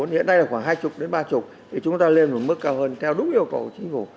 hiện nay là khoảng hai mươi đến ba mươi thì chúng ta lên một mức cao hơn theo đúng yêu cầu của chính phủ